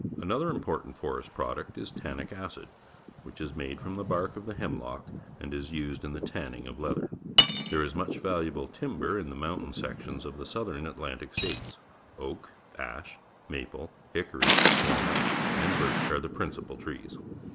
Another important forest product is tannic acid, which is made from t he bark of the hemlock and is used in the tanning of leather. There is much valuable timber in the mountain sections of the Southern Atlantic States. Oak, ash, maple, hickory, walnut , and birch are the principal trees.